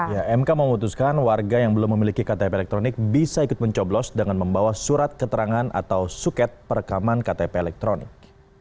ya mk memutuskan warga yang belum memiliki ktp elektronik bisa ikut mencoblos dengan membawa surat keterangan atau suket perekaman ktp elektronik